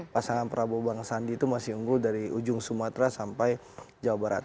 pasangan prabowo bang sandi itu masih unggul dari ujung sumatera sampai jawa barat